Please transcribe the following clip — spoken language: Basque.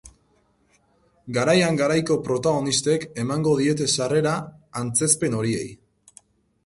Garaian garaiko protagonistek emango diete sarrera antzezpen horiei.